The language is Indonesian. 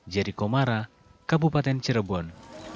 jericho mara kabupaten cirebon